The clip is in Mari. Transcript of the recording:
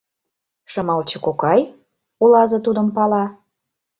— Шымалче кокай? — улазе тудым пала.